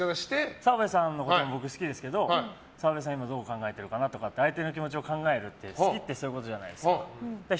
澤部さんのことも僕好きですけど澤部さんが今どう考えてるかなって相手の気持ちを考える、好きってそういうことじゃないですか。